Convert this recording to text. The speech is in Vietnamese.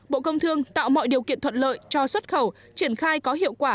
bộ công thương tạo mọi điều kiện thuận lợi cho xuất khẩu triển khai có hiệu quả